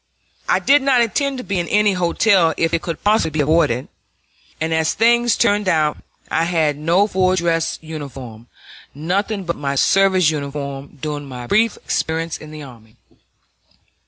I did not intend to be in any hotel if it could possibly be avoided; and as things turned out, I had no full dress uniform, nothing but my service uniform, during my brief experience in the army.